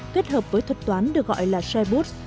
kết hợp với thuật toán được gọi là shareboots